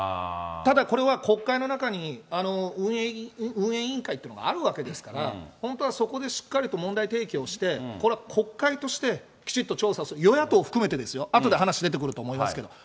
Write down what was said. ただこれは、国会の中に、運営委員会っていうのがあるわけですから、本当はそこでしっかりと問題提起をして、これは国会としてきちっと調査、与野党含めてですよ、後で話出てくると思いますけれども。